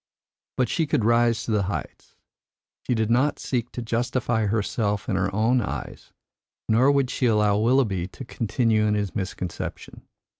But she could rise to the heights. She did not seek to justify herself in her own eyes, nor would she allow Willoughby to continue in his misconception.